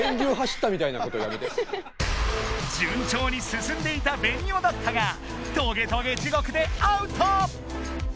順調にすすんでいたベニオだったがトゲトゲ地獄でアウト！